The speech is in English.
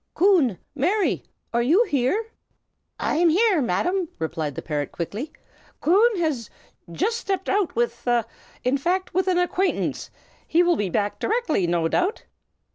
Coon! Mary! are you here?" "I am here, Madam!" replied the parrot, quickly. "Coon has has just stepped out, with in fact, with an acquaintance. He will be back directly, no doubt."